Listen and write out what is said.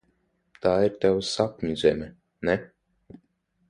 Tā ir tava sapņu zeme, ne?